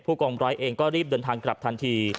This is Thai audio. กองร้อยเองก็รีบเดินทางกลับทันที